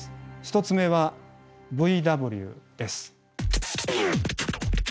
１つ目はＶＷです。